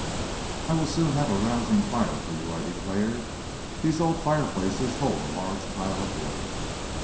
"I will soon have a rousing fire for you," I declared. "These old fireplaces hold a large pile of wood."